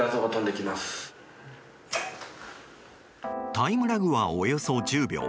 タイムラグはおよそ１０秒。